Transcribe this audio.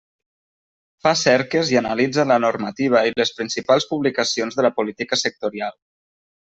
Fa cerques i analitza la normativa i les principals publicacions de la política sectorial.